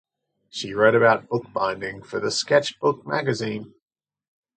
She wrote about bookbinding for the "Sketch Book" magazine.